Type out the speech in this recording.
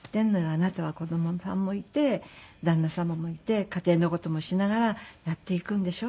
あなたは子どもさんもいて旦那様もいて家庭の事もしながらやっていくんでしょって。